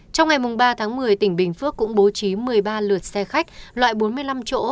trong ngày ba tháng một mươi tỉnh bình phước cũng bố trí một mươi ba lượt xe khách loại bốn mươi năm chỗ